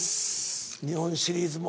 日本シリーズも。